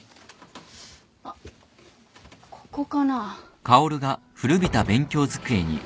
あっここかな。